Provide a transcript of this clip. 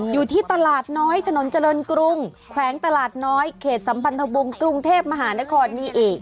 อยู่ที่ตลาดน้อยถนนเจริญกรุงแขวงตลาดน้อยเขตสัมพันธวงศ์กรุงเทพมหานครนี่อีก